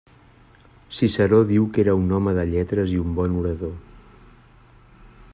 Ciceró diu que era un home de lletres i un bon orador.